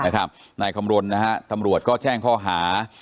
นะครับในคำรวณนะฮะตำรวจก็แจ้งข้อหา